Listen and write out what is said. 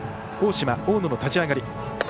大島、大野の立ち上がり。